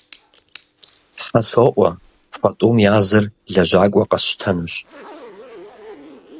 Тхьэ соӏуэ, фэ тӏум я зыр лэжьакӏуэ къэсщтэнущ.